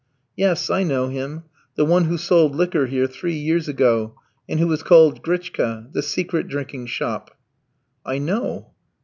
"Yes, I know him, the one who sold liquor here three years ago, and who was called Grichka the secret drinking shop." "I know."